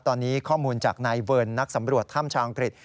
ตอนนี้ข้อมูลจากนายเวิร์นนักสำรวจถ้ำชาวอังกฤษ